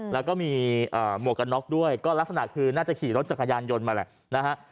แล้วก็มีหมวกกันน็อกด้วยก็ลักษณะคือน่าจะขี่รถจักรยานยนต์มาแหละนะฮะ